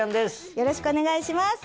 よろしくお願いします。